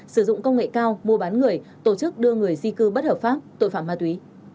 sử dụng công nghệ cao mua bán người tổ chức đưa người di cư bất hợp pháp tội phạm ma túy